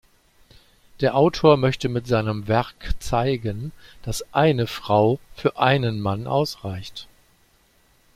Der Autor möchte mit seinem Werk zeigen, dass eine Frau für einen Mann ausreicht.